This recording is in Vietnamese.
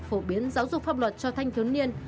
phổ biến giáo dục pháp luật cho thanh thiếu niên